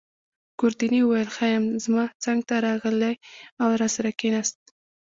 ګوردیني وویل: ښه یم. زما څنګته راغلی او راسره کښېناست.